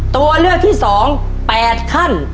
ตัวเลือกที่๒๘ขั้น